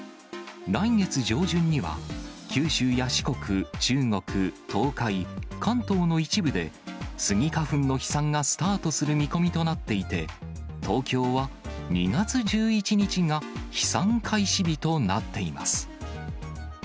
来月上旬には、九州や四国、中国、東海、関東の一部で、スギ花粉の飛散がスタートする見込みとなっていて、東京は２月１１日が飛散開始日となっています。